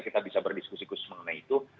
kita bisa berdiskusi khusus mengenai itu